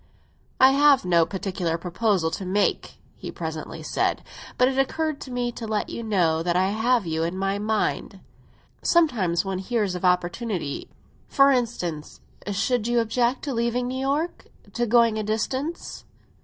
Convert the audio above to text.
"I have no particular proposal to make," he presently said; "but it occurred to me to let you know that I have you in my mind. Sometimes one hears of opportunities. For instance—should you object to leaving New York—to going to a distance?"